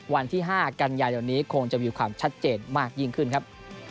วันที่๕กันยายนนี้คงจะมีความชัดเจนมากยิ่งขึ้นครับ